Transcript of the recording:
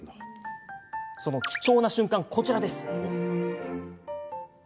その貴重な瞬間が、こちら。